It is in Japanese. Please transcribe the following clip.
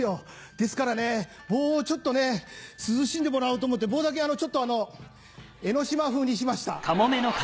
ですから棒をちょっとね涼しんでもらおうと思って棒だけあの江の島風にしました。